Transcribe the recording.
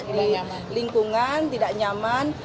ini lingkungan tidak nyaman